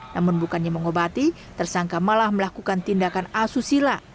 namun bukannya mengobati tersangka malah melakukan tindakan asusila